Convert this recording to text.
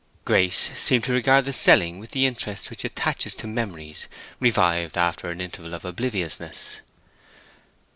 Grace seemed to regard the selling with the interest which attaches to memories revived after an interval of obliviousness.